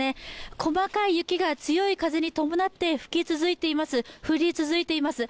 細かい雪が強い風に伴って吹き続いています、降り続いています。